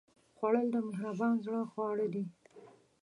خوړل د مهربان زړه خواړه دي